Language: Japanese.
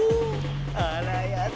あらやだ！